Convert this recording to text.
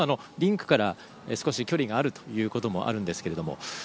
リンクから少し距離があるということもあるんですけども。